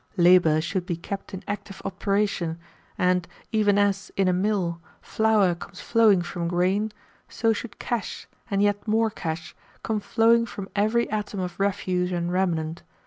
Labour should be kept in active operation, and, even as, in a mill, flour comes flowing from grain, so should cash, and yet more cash, come flowing from every atom of refuse and remnant.